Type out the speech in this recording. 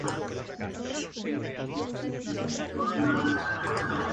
La pareja tuvo tres hijos, entre ellos el magistrado Simón Gregorio de Paredes.